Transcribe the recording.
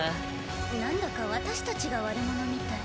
なんだか私たちが悪者みたい。